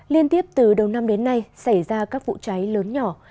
liên tiếp từ đầu năm đến nay xảy ra các vụ cháy lớn nhỏ